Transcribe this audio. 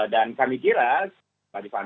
dan kami kira